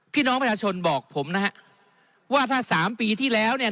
พี่น้องประชาชนบอกผมนะฮะว่าถ้าสามปีที่แล้วเนี่ย